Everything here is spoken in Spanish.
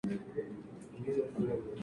Las ramas jóvenes ferruginoso-estrigosas.